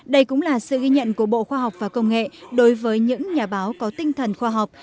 đây cũng là sự ghi nhận của bộ khoa học và công nghệ đối với những nhà báo có tinh thần khoa học